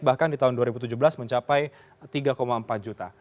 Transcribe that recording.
bahkan di tahun dua ribu tujuh belas mencapai tiga empat juta